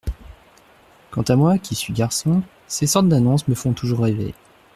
Quant à moi, qui suis garçon, ces sortes d’annonces me font toujours rêver…